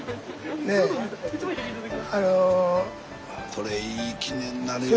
これいい記念になるよ。